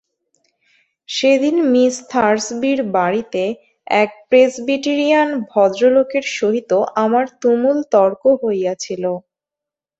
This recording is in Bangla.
সেদিন মিস থার্সবির বাড়ীতে এক প্রেসবিটেরিয়ান ভদ্রলোকের সহিত আমার তুমুল তর্ক হইয়াছিল।